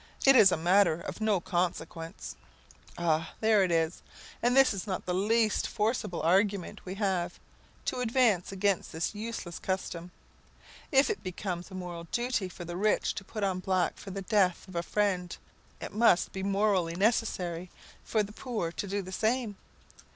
it is a matter of no consequence." Ah, there it is. And this is not the least forcible argument we have to advance against this useless custom. If it becomes a moral duty for the rich to put on black for the death of a friend, it must be morally necessary for the poor to do the same.